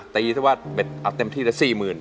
ตีเต็มที่ละ๔หมื่น